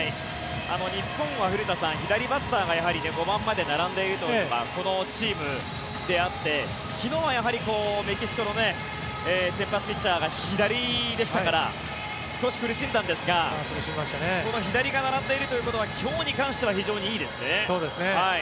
日本は左バッターが５番まで並んでいるというこのチームであって昨日はメキシコの先発ピッチャーが左でしたから少し苦しんだんですがこの左が並んでいるということは今日に関しては非常にいいですね。